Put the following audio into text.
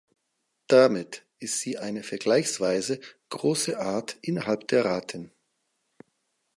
Damit ist sie eine vergleichsweise große Art innerhalb der Ratten.